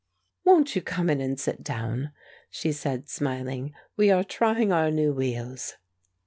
"Won't you come in and sit down?" she said, smiling. "We are trying our new wheels."